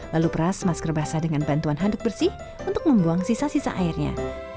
lalu peras masker basah dengan bantuan handuk bersih untuk membuang sisa sisa airnya